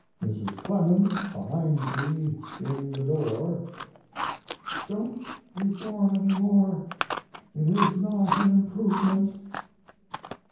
Mrs. Clemens behind me in the door. "Don't reform any more. It is not an improvement."